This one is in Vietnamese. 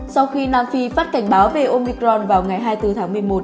sau khi nam phi phát cảnh báo về omicron vào ngày hai mươi bốn tháng một mươi một